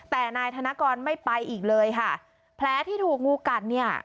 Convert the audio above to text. แต่นายธนกรไม่ไปอีกเลยค่ะแผลที่ถูกงูกัดเนี่ย